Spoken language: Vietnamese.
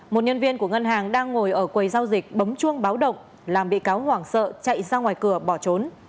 một nhân viên của ngân hàng đang ngồi ở quầy giao dịch bấm chuông báo động làm bị cáo hoảng sợ chạy ra ngoài cửa bỏ trốn